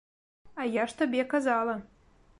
А я ж табе казала.